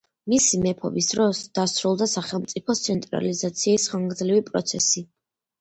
მისი მეფობის დროს დასრულდა სახელმწიფოს ცენტრალიზაციის ხანგრძლივი პროცესი.